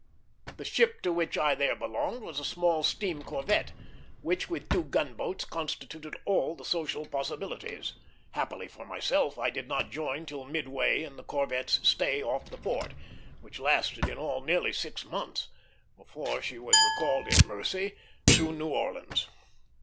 The ship to which I there belonged was a small steam corvette, which with two gunboats constituted all the social possibilities. Happily for myself, I did not join till midway in the corvette's stay off the port, which lasted in all nearly six months, before she was recalled in mercy to New Orleans.